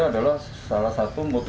motif tertutup itu adalah salah satu motif